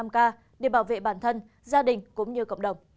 năm ca để bảo vệ bản thân gia đình cũng như cộng đồng